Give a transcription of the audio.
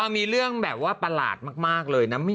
มีเรื่องแบบว่าประหลาดมากเลยนะ